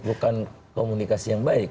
bukan komunikasi yang baik